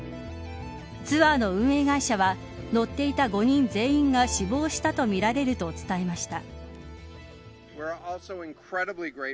ツアーの運営会社は乗っていた５人全員が死亡したとみられると伝えました。